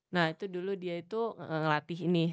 nah itu dulu dia itu ngelatih nih